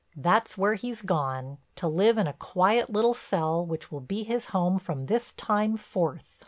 That's where he's gone, to live in a quiet little cell which will be his home from this time forth.